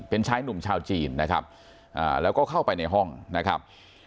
เป็นชายหนุ่มชาวจีนนะครับแล้วก็เข้าไปในห้องนะครับ